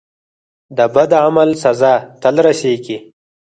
د بد عمل سزا تل رسیږي.